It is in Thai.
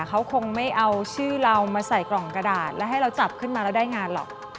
เขาคงไม่เอาชื่อเรามาใส่กล่องกระดาษและให้เราจับขึ้นมาแล้วได้งานหรอก